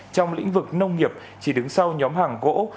trong lĩnh vực nông nghiệp chỉ đứng sau nhóm hàng của úc